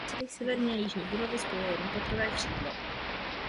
Severní a jižní budovu spojuje jednopatrové křídlo.